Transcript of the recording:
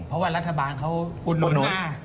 มีอะไรบ้างที่อุดหนุน